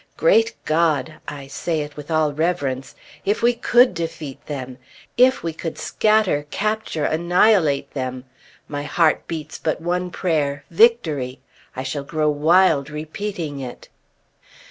Great God! I say it with all reverence if we could defeat them! If we could scatter, capture, annihilate them! My heart beats but one prayer Victory! I shall grow wild repeating it.